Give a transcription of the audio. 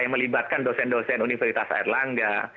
yang melibatkan dosen dosen universitas air langga